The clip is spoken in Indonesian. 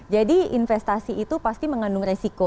jadi investasi itu pasti mengandung resiko